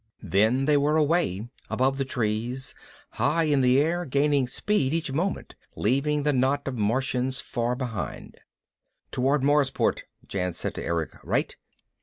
Then they were away, above the trees, high in the air, gaining speed each moment, leaving the knot of Martians far behind. "Toward Marsport," Jan said to Erick. "Right?"